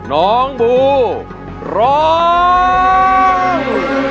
น้องบูร้อง